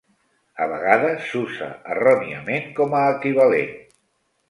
A vegades s'usa erròniament com a equivalent.